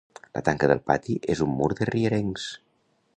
La tanca del pati és un mur de rierencs.